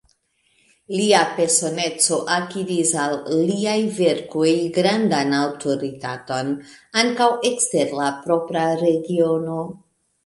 Lia personeco akiris al liaj verkoj grandan aŭtoritaton ankaŭ ekster la propra regiono.